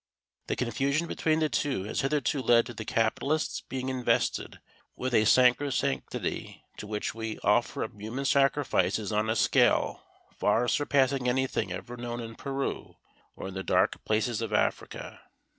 The confusion between the two has hitherto led to the capitalist's being invested with a sacrosanctity to which we offer up human sacrifices on a scale far surpassing anything ever known in Peru or the dark places of Africa.